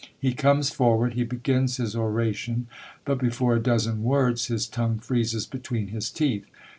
He comes forward, he begins his oration but before a dozen words his tongue freezes between his teeth!